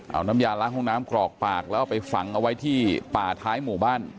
เอาน้ำยาล้างห้องน้ำกรอกปากแล้วเอาไปฝังเอาไว้ที่ป่าท้ายหมู่บ้าน